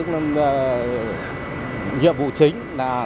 nhiệm vụ chính